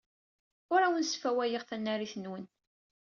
Ur awen-sfawayeɣ tanarit-nwen.